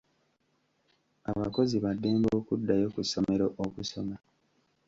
Abakozi ba ddembe okuddayo ku ssomero okusoma.